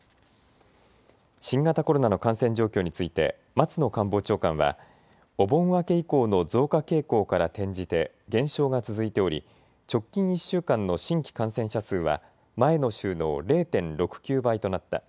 新型コロナの感染状況について松野官房長官は、お盆明け以降の増加傾向から転じて減少が続いており直近１週間の新規感染者数は前の週の０．６９倍となった。